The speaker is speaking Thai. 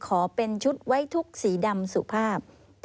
ขอเป็นชุดไว้ทุกสีดำสุภาพ